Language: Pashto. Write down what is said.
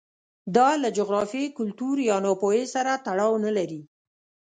دا له جغرافیې، کلتور یا ناپوهۍ سره تړاو نه لري